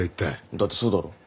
だってそうだろ。